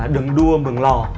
đường đua mường lò